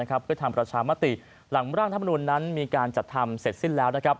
ค่ือทำประชามาติลักษณ์ที่มีการจัดทำเสร็จสิ้นแล้ว